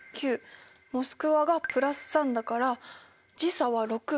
モスクワが＋３だから時差は６。